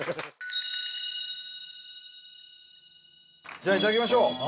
じゃあいただきましょう。